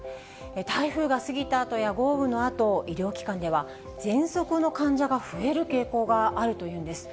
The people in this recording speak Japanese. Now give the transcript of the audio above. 台風が過ぎたあとや豪雨のあと、医療機関ではぜんそくの患者が増える傾向があるというんです。